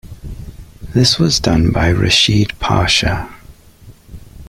This was done by Reshid Pasha.